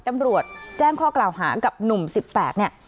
ตำรวจแจ้งข้อกล่าวหากับหนุ่ม๑๘เนี่ย